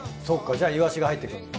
じゃあイワシが入ってくるんだ。